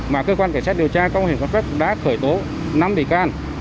mà cơ quan cảnh sát điều tra công an huyện cron park đã khởi tố năm vị can